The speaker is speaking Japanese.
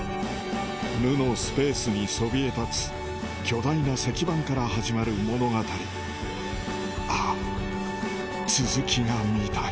無のスペースにそびえ立つ巨大な石盤から始まる物語あぁ続きが見たい